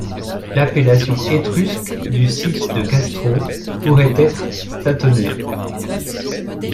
L’appellation étrusque du site de Castro pourrait être Statonia.